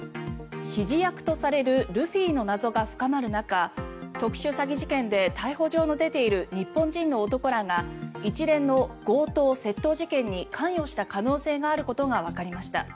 指示役とされるルフィの謎が深まる中特殊詐欺事件で逮捕状の出ている日本人の男らが一連の強盗・窃盗事件に関与した可能性があることがわかりました。